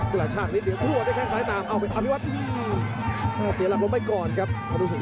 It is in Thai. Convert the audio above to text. อุละช่างนี้หรือผดแบบแล้วแค่งซ้ายต่ำเอาไปอภิวัต